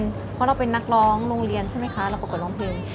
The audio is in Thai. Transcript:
เพราะเราเป็นนักร้องโรงเรียนใช่ไหมคะเราประกวดร้องเพลง